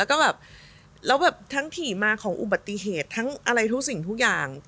แล้วก็แบบแล้วแบบทั้งถี่มาของอุบัติเหตุทั้งอะไรทุกสิ่งทุกอย่าง